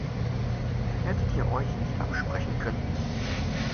Hättet ihr euch nicht absprechen können?